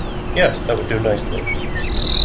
Yes, that would do nicely.